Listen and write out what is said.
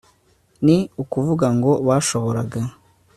ni ukuvuga ngo bashoboraga